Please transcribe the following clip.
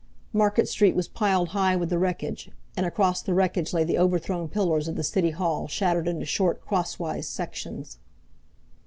Market Street was piled high with the wreckage, and across the wreckage lay the overthrown pillars of the City Hall shattered into short crosswise sections.